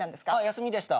休みでした。